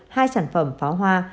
hai sản phẩm pháo hoa